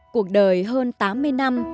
cuộc đời hơn tám mươi năm